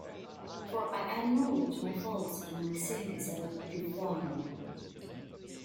For I acknowledge my faults: and my sin is ever before me.